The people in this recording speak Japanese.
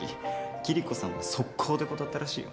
キリコさんは即行で断ったらしいよ。